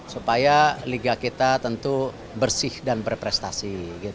supaya liga kita tentu bersih dan berprestasi